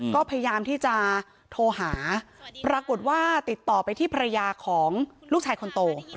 ก็พยายามที่จะโทรหาปรากฏว่าติดต่อไปที่ภรรยาของลูกชายคนโต